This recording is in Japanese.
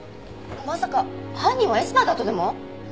まさか犯人はエスパーだとでも？